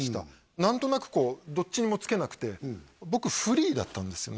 何となくこうどっちにもつけなくて僕フリーだったんですよね